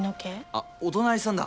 あお隣さんだ。